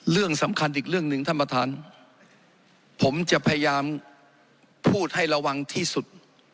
เรื่องสำคัญอีกเรื่องหนึ่งท่านประธานผมจะพยายามพูดให้ระวังที่สุด